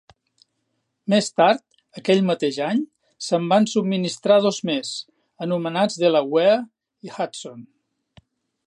Més tard, aquell mateix any, se'n van subministrar dos més, anomenats Delaware i Hudson.